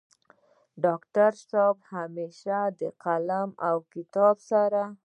ډاکټر صيب همېشه د قلم او کتاب سره